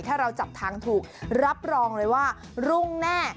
ถ้าเราจับทางถูกรับรองเลยว่ารุ่งแน่